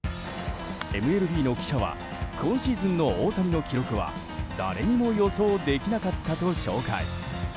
ＭＬＢの記者は今シーズンの大谷の記録は誰にも予想できなかったと紹介。